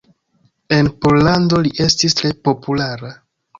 En Pollando li estis tre populara.